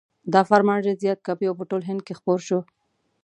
دا فرمان ډېر زیات کاپي او په ټول هند کې خپور شو.